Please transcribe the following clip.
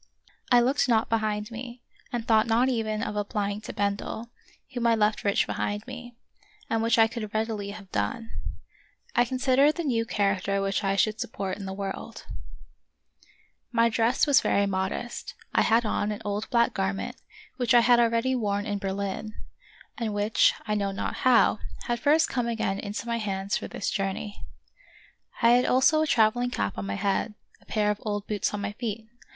I looked not behind me, and thought not even of applying to Bendel, whom I left rich behind me, and which I could readily have done. I considered the new charac ter which I should support in the world. My g6 The Wonderful History dress was very modest. I had on an old black garment, which I had already worn in Berlin, and which, I know not how, had first come again into my hands for this journey. I had also a traveling cap on my head, a pair of old boots on my feet.